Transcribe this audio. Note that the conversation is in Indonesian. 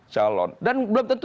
calon dan belum tentu